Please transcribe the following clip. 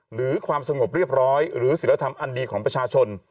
หรือความสงบเรียบร้อยหรือศิลธรรมอันดีของประชาชน